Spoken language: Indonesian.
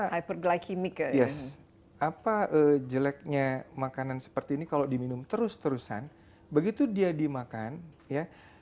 hyperglikemic yes apa jeleknya makanan seperti ini kalau diminum terus terusan begitu dia dimakan ya